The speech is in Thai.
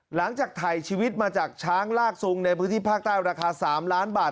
หลังจากถ่ายชีวิตมาจากช้างลากซุงในพื้นที่ภาคใต้ราคา๓ล้านบาท